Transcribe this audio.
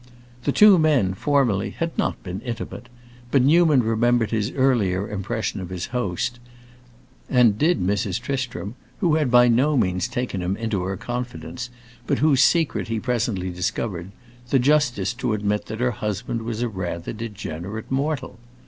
The two men, formerly, had not been intimate, but Newman remembered his earlier impression of his host, and did Mrs. Tristram, who had by no means taken him into her confidence, but whose secret he presently discovered, the justice to admit that her husband was a rather degenerate mortal.